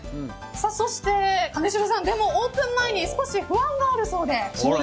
そして金城さん、オープン前に少し不安があるそうで。